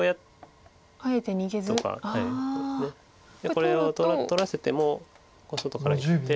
これを取らせても外から切って。